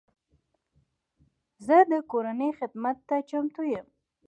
زه د کورنۍ خدمت ته چمتو یم.